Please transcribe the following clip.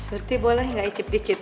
surti boleh ga icip dikit